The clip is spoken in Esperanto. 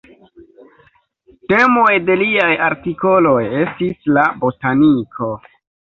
Temoj de liaj artikoloj estis la botaniko.